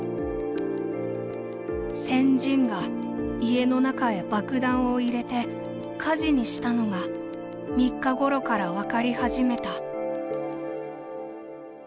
「鮮人が家の中へばくだんを入て火事にしたのが三日ごろから分かり始めた」。